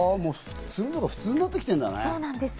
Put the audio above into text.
するのが普通になってきてるんだね。